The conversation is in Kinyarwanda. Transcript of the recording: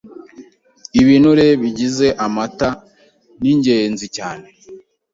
Ibinure bigize amata ni ingenzi cyane